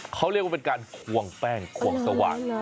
เขาเรียกว่าเป็นการควงแป้งควงสว่าง